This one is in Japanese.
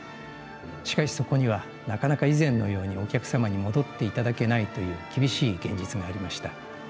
しかしそこにはなかなか以前のようにお客様に戻っていただけないという厳しい現実がありました。